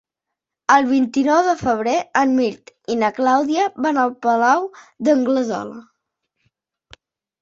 El vint-i-nou de febrer en Mirt i na Clàudia van al Palau d'Anglesola.